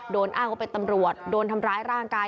โดนอ้างว่าเป็นตำรวจโดนทำร้ายร่างกาย